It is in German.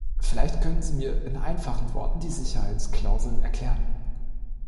Vielleicht können Sie mir in einfachen Worten die Sicherheitsklauseln erklären.